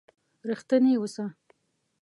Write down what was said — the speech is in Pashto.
رښتيني وسه.